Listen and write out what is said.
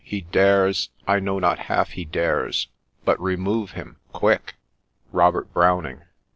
... He dares— I know not half he dares— But remove him— quick !" —Robert Browning.